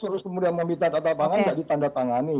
terus kemudian minta tanda tangan nggak ditanda tangani